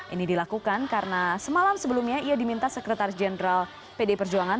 ini dilakukan karena semalam sebelumnya ia diminta sekretaris jenderal pd perjuangan